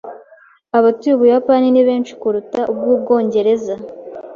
Abatuye Ubuyapani ni benshi kuruta ubw'Ubwongereza.